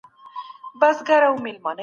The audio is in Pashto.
که اقتصادي پلان نيمګړی وي، ګټه نه رسوي.